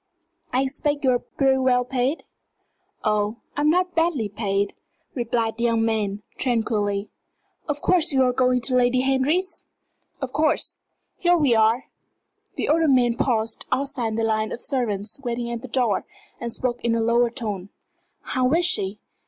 I expect you're pretty well paid?" "Oh, I'm not badly paid," replied the young man, tranquilly. "Of course you're going to Lady Henry's?" "Of course. Here we are." The older man paused outside the line of servants waiting at the door, and spoke in a lower tone. "How is she?